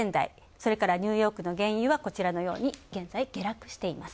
それからニューヨークの原油は現在下落しています。